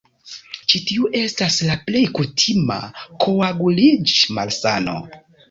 Ĉi tiu estas la plej kutima koaguliĝ-malsano.